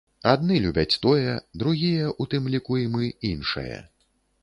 Адны любяць тое, другія, у тым ліку і мы, іншае.